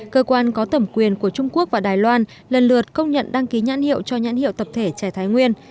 cơ quan có thẩm quyền của trung quốc và đài loan lần lượt công nhận đăng ký nhãn hiệu cho nhãn hiệu tập thể trẻ thái nguyên